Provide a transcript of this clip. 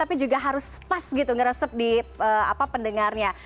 tapi juga harus pas gitu ngeresep di pendengarnya